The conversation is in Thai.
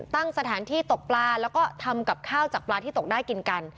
ตั้งสถานที่ตกปลาแล้วก็ทำกับข้าวจากปลาที่ตกได้กินกัน